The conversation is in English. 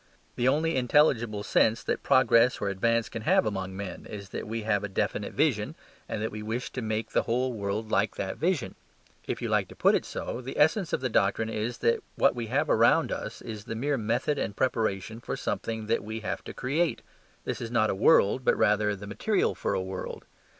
The only intelligible sense that progress or advance can have among men, is that we have a definite vision, and that we wish to make the whole world like that vision. If you like to put it so, the essence of the doctrine is that what we have around us is the mere method and preparation for something that we have to create. This is not a world, but rather the material for a world.